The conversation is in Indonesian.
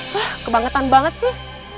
wah kebangetan banget sih